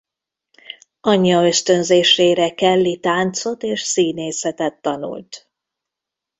Anyja ösztönzésére Kelly táncot és színészetet tanult.